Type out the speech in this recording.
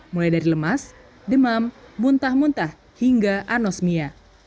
mulai dari lemas demam muntah muntah hingga anosmia